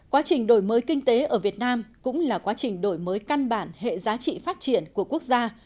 quá trình đổi mới kinh tế ở việt nam cũng là quá trình đổi mới căn bản hệ giá trị phát triển của quốc gia